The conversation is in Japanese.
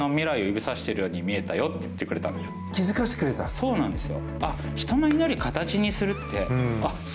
そうなんですよ。